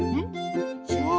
そう。